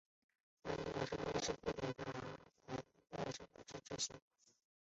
瓦拉市是瑞典西部西约塔兰省的一个自治市。